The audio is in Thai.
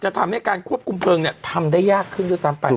จะทำในการควบคุมเกิงทำได้ยากขึ้นทั่วทางไป